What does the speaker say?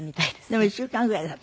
でも１週間ぐらいだったの？